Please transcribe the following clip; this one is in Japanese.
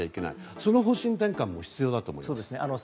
その方針転換も必要だと思います。